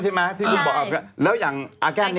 เคยได้ยินไหมครับว่าอ่าแก้นออยอ่ะ